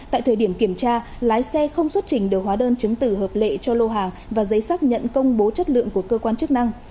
tại thời điểm kiểm tra lái xe không xuất trình được hóa đơn chứng tử hợp lệ cho lô hàng và giấy xác nhận công bố chất lượng của cơ quan chức năng